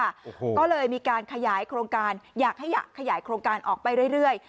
โอ้โหก็เลยมีการขยายโครงการอยากให้อยากขยายโครงการออกไปเรื่อยเรื่อย